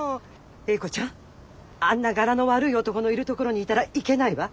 英子ちゃんあんなガラの悪い男のいるところにいたらいけないわ。